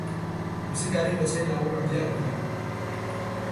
Musikari bezain lagun handiak dira.